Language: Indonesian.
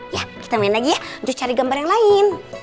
ya kita main lagi ya untuk cari gambar yang lain